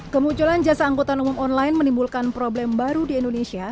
kemunculan jasa angkutan umum online menimbulkan problem baru di indonesia